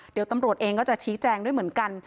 เดี๋ยวตำรวจเองก็จะชี้แจงด้วยเหมือนกัน